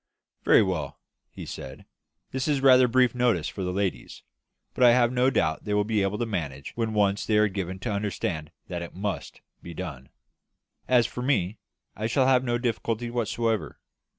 "Very well," he said. "That is rather brief notice for the ladies; but I have no doubt they will be able to manage when once they are given to understand that it must be done. As for me, I shall have no difficulty whatever.